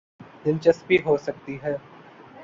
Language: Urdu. دلچسپی ہو سکتی ہے۔